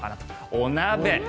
お鍋。